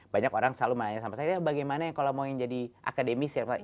banyak orang selalu nanya sama saya bagaimana kalau mau yang jadi akademisi